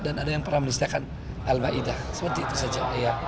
dan ada yang pernah menulis al ma'idah seperti itu saja